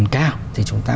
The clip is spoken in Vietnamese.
cao thì chúng ta